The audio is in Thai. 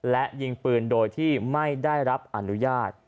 และยิงปืนโดยที่ไม่ได้รับอนุญาต